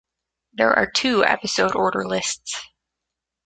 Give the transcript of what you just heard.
There are two episode order lists.